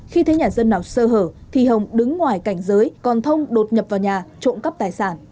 khi thấy nhà dân nào sơ hở thì hồng đứng ngoài cảnh giới còn thông đột nhập vào nhà trộm cắp tài sản